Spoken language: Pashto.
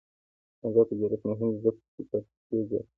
آزاد تجارت مهم دی ځکه چې فابریکې زیاتوي.